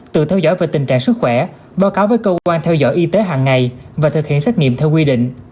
tự theo dõi về tình trạng sức khỏe báo cáo với cơ quan theo dõi y tế hàng ngày và thực hiện xét nghiệm theo quy định